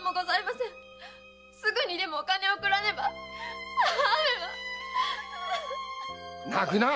すぐにでもお金を送らねば母上は！泣くな！